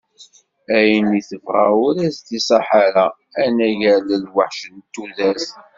Ayen i tebɣa ur as-d-iṣaḥ ara, anagar lweḥc n tudert.